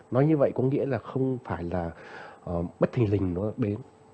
nói như vậy có nghĩa là không phải là bất thình lình nó đến